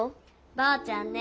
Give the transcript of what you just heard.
ばあちゃんね